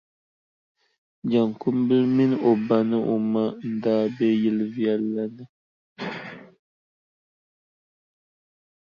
Jaŋkumbila mini o ba ni o ma n-daa be yili viɛlli ni.